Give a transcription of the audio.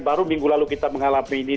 baru minggu lalu kita mengalami ini